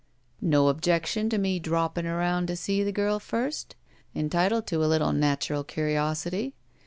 "No objection to me droppin* around to see the girl first? Entitled to a little natural curiosity.